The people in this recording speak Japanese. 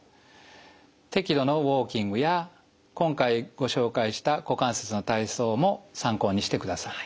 適度のウォーキングや今回ご紹介した股関節の体操も参考にしてください。